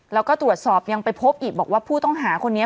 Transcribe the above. แล้วก็ตรวจสอบยังไปพบอีกบอกว่าผู้ต้องหาคนนี้